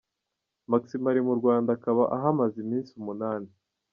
Maximo ari mu Rwanda akaba ahamaze iminsi umunani.